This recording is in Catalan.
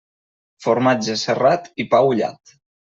Formatge serrat i pa ullat.